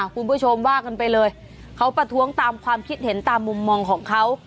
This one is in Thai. คุณผู้ชมว่ากันไปเลยเขาประท้วงตามความคิดเห็นตามมุมมองของเขา